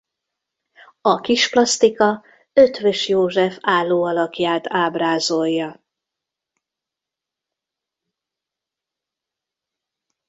A kisplasztika Eötvös József álló alakját ábrázolja.